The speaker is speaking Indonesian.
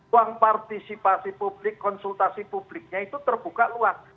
uang partisipasi publik konsultasi publiknya itu terbuka luas